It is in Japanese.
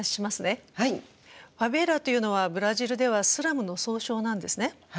ファベーラというのはブラジルではスラムの総称なんですね。